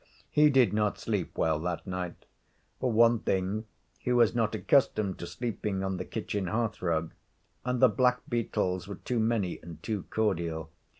He did not sleep well that night. For one thing he was not accustomed to sleeping on the kitchen hearthrug, and the blackbeetles were too many and too cordial.